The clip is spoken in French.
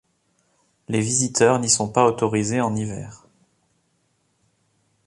Les visiteurs n'y sont pas autorisés en hiver.